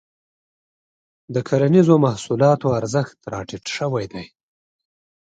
د کرنیزو محصولاتو ارزښت راټيټ شوی دی.